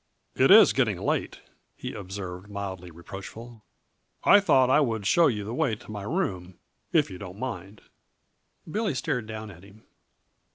"It is getting late," he observed, mildly reproachful. "I thought I would show you the way to my room, if you don't mind." Billy stared down at him.